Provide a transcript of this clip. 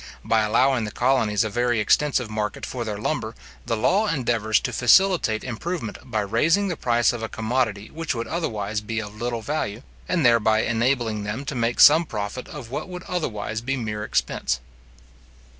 By allowing the colonies a very extensive market for their lumber, the law endeavours to facilitate improvement by raising the price of a commodity which would otherwise be of little value, and thereby enabling them to make some profit of what would otherwise be mere expense.